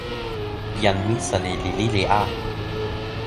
jan Misali li lili a.